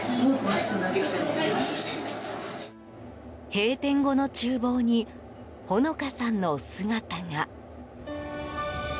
閉店後の厨房に穂乃花さんの姿が。